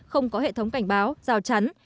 không có hệ thống cảnh báo giao chắn